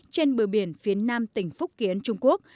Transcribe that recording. trên bờ biển phía nam tỉnh phúc kiến trung quốc